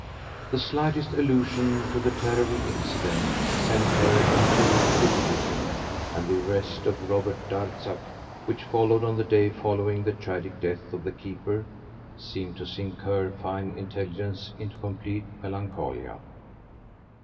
The slightest allusion to the terrible incident sent her into delirium, and the arrest of Robert Darzac which followed on the day following the tragic death of the keeper seemed to sink her fine intelligence into complete melancholia.